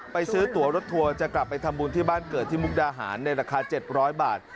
ซื้อตัวรถทัวร์จะกลับไปทำบุญที่บ้านเกิดที่มุกดาหารในราคา๗๐๐บาท